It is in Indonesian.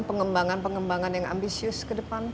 pengembangan pengembangan yang ambisius ke depan